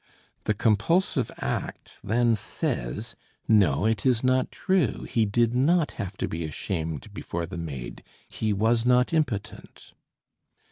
The compulsive act then says: "No, it is not true, he did not have to be ashamed before the maid, he was not impotent."